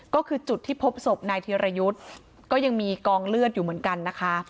ก็คือจุดที่พบศพนายธีรยุทธ์ก็ยังมีกองเลือดอยู่เหมือนกันนะคะ